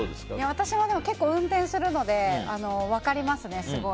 私も結構、運転するので分かりますね、すごい。